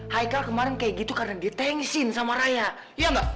haikal kemarin kayak gitu karena dia tangsin sama raya iya ga